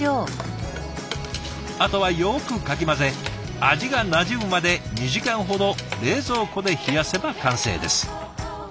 あとはよくかき混ぜ味がなじむまで２時間ほど冷蔵庫で冷やせば完成です。